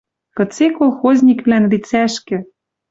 Кыце колхозниквлӓн лицӓшкӹ